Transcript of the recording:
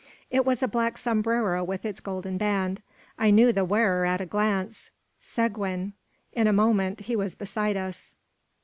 It was a black sombrero with its golden band. I knew the wearer at a glance: Seguin! In a moment, he was beside us.